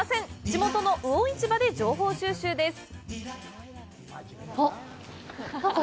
地元の魚市場で情報収集です。